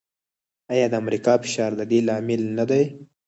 آیا د امریکا فشار د دې لامل نه دی؟